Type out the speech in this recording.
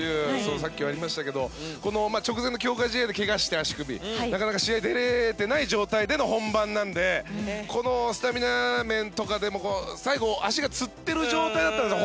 さっきありましたが直前の強化試合で怪我をしてなかなか試合に出れていない状態での本番なのでスタミナ面とかでも最後、足がつってる状態だったんですよ。